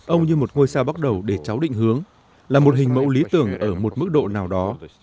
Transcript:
ông như một ngôi sao bắt đầu để cháu định hướng là một hình mẫu lý tưởng ở một mức độ nào đó